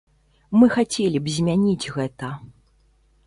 Мы хацелі б змяніць гэта.